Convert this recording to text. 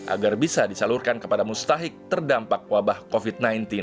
agar bisa disalurkan kepada mustahik terdampak wabah covid sembilan belas